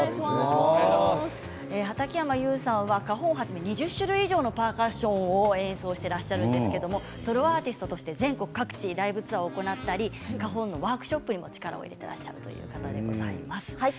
はたけやま裕さんはカホンをはじめ２０種類以上のパーカッションを演奏してらっしゃるんですけれどソロアーティストとして全国各地ライブツアーを行ったりカホンのワークショップにも力を入れてらっしゃる方でございます。